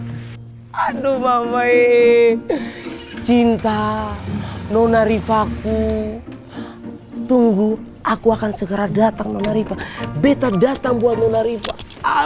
aduh mama ee cinta nona riva aku tunggu aku akan segera datang menarik beta datang buat menarik